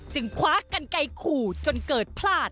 คว้ากันไกลขู่จนเกิดพลาด